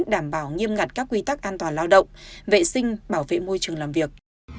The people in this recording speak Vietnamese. đảm bảo nghiêm ngặt các quy tắc an toàn lao động vệ sinh bảo vệ môi trường làm việc